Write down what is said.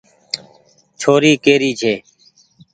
ڇوري ڪي ري ڇي۔